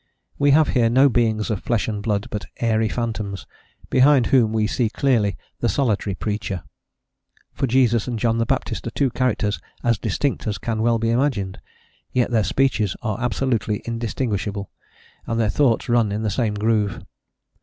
We have here no beings of flesh and blood, but airy phantoms, behind whom we see clearly the solitary preacher. For Jesus and John the Baptist are two characters as distinct as can well be imagined, yet their speeches are absolutely indistinguishable, and their thoughts run in the same groove.